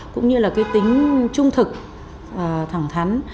cũng như là cái tính trung thực thẳng thắn